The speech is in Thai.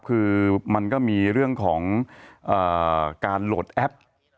คือมันก็มีเรื่องของการโหลดแอป